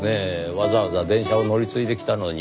わざわざ電車を乗り継いで来たのに。